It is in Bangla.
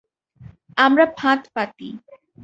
আমরা ফাঁদ পাতি।